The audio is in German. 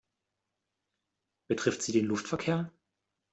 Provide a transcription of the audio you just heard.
Betrifft sie den Luftverkehr?